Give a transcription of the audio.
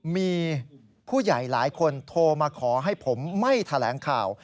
มีผู้ใหญ่หลายคนโทรมาขอให้ผมไม่แถลงข่าว